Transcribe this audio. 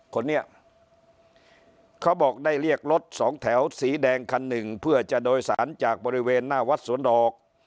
คนนี้เขาบอกได้เรียกรถสองแถวสีแดงคันหนึ่งเพื่อจะโดยสารจากบริเวณหน้าวัดสวนดอก